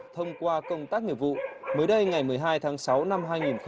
thông qua công tác nghiệp vụ mới đây ngày một mươi hai tháng sáu năm hai nghìn hai mươi